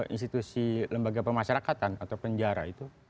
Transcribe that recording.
institusi lembaga pemasyarakatan atau penjara itu